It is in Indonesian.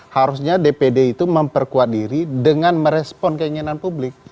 harusnya dpd itu memperkuat diri dengan merespon keinginan publik